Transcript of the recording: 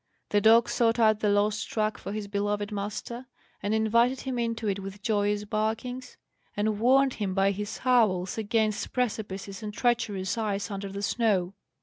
The dog sought out the lost track for his beloved master, and invited him into it with joyous barkings, and warned him by his howls against precipices and treacherous ice under the snow.